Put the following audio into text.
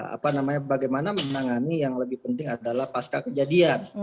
apa namanya bagaimana menangani yang lebih penting adalah pasca kejadian